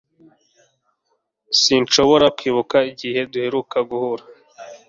Sinshobora kwibuka igihe duheruka guhura